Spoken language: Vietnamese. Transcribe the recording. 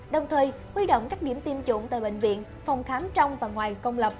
đồng thời huy động các điểm tiêm chủng tại bệnh viện phòng khám trong và ngoài công lập